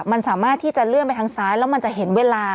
มันสามารถที่จะเลื่อนไปทางซ้ายแล้วมันจะเห็นเวลา